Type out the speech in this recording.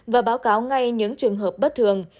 và báo cáo ngay những trường hợp bất thường